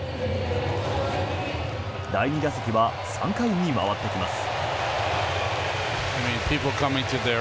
第２打席は３回に回ってきます。